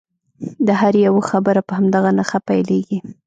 د هر یوه خبره په همدغه نښه پیلیږي.